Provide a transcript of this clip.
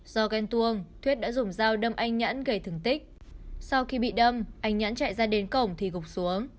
do ghen tuông thuyết đã dùng dao đâm anh nhãn gây thứng tích sau khi bị đâm anh nhãn chạy ra đến cổng thì gục xuống